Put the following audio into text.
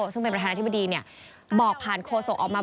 ซึ่งเป็นประธานาธิบดีบอกผ่านโฆษกออกมา